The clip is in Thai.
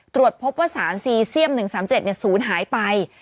ตรวจพบว่าสารซีเซียม๑๓๗ศูนย์หายไป